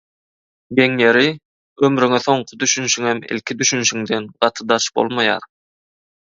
Geň ýeri, ömrüňe soňky düşünşiňem ilki düşünşiňden gaty daş bolmaýar.